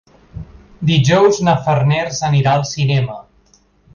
Dijous na Farners anirà al cinema.